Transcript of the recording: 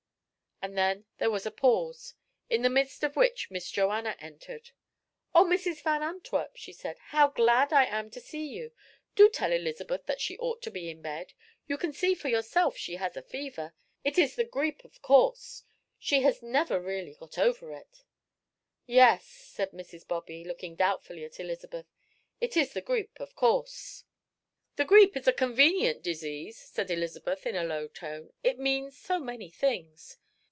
And then there was a pause, in the midst of which Miss Joanna entered. "Oh, Mrs. Van Antwerp," she said, "how glad I am to see you! Do tell Elizabeth that she ought to be in bed. You can see for yourself she has fever. It is the grippe, of course she has never really got over it." "Yes," said Mrs. Bobby, looking doubtfully at Elizabeth, "it is the grippe, of course." "The grippe is a convenient disease," said Elizabeth, in a low tone, "it means so many things."